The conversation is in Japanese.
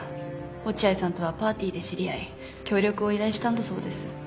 落合さんとはパーティーで知り合い協力を依頼したんだそうです。